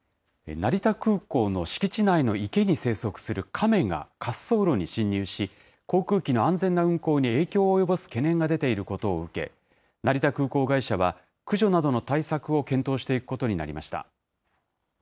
成田空港の敷地内の池に生息する亀が滑走路に侵入し、航空機の安全な運航に影響を及ぼす懸念が出ていることを受け、成田空港会社は、駆除などの対策を検討していくことになりました。